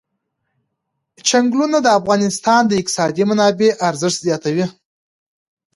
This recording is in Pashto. چنګلونه د افغانستان د اقتصادي منابعو ارزښت زیاتوي.